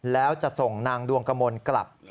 แล้วจะส่งนางดวงกมลกลับ